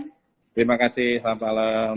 terima kasih selamat malam